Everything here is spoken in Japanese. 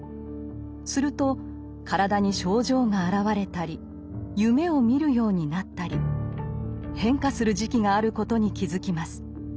すると体に症状が現れたり夢を見るようになったり変化する時期があることに気付きます。